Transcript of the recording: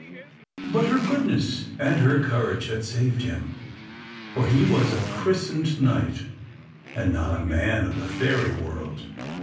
But her goodness and her courage had saved him, for he was a christened knight, and not a man of the fairy world.